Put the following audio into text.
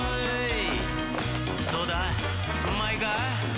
「どうだ？うまいか？」